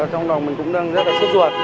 trong đó mình cũng đang rất là sốt ruột